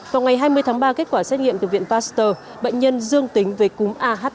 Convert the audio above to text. vào ngày hai mươi tháng ba kết quả xét nghiệm từ viện pasteur bệnh nhân dương tính về cúm ah năm